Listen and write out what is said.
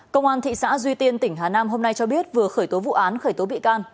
công an thị xã duy tiên tỉnh hà nam hôm nay cho biết vừa khởi tố vụ án khởi tố bị can